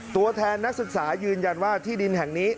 ตัวแทนนักศึกษายืนยันว่าที่ดินแห่งนี้